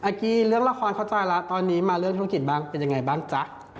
อากีเลือกละครเข้าใจแล้วตอนนี้มาเลือกทุกขิตบ้างเป็นยังไงบ้างจ๊ะ